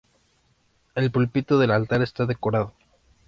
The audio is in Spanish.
El púlpito del altar está decorado.